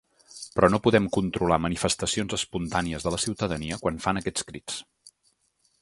Però no podem controlar manifestacions espontànies de la ciutadania quan fan aquests crits.